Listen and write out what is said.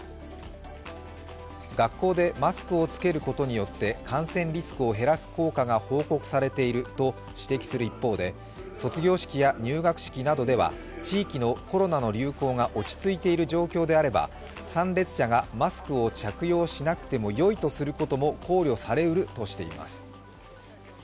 学校でマスクを着けることによって感染リスクを減らす効果が報告されていると指摘する一方で、卒業式や入学式などでは、地域のコロナの流行が落ち着いている状況であれば参列者がマスクを着けなくてもよいとすることも考慮されうるとしています。